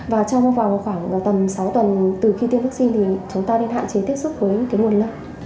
và trong vòng khoảng tầm sáu tuần từ khi tiêm vaccine thì chúng ta nên hạn chế tiếp xúc với nguồn lợn